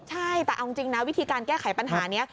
ใช่แต่เอาจริงนะวิธีการแก้ไขปัญหานี้